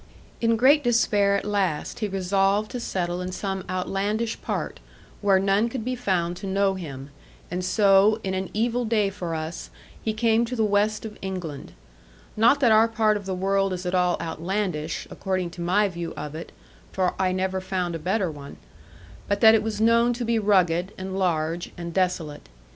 In great despair at last, he resolved to settle in some outlandish part, where none could be found to know him; and so, in an evil day for us, he came to the West of England. Not that our part of the world is at all outlandish, according to my view of it (for I never found a better one), but that it was known to be rugged, and large, and desolate.